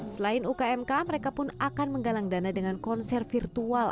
selain ukmk mereka pun akan menggalang dana dengan konser virtual